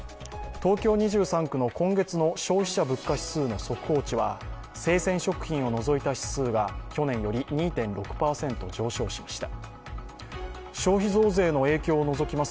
東京２３区の今月の消費者物価指数の速報値は生鮮食品を除いた指数が去年より２．６％上昇しました。